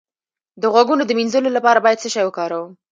د غوږونو د مینځلو لپاره باید څه شی وکاروم؟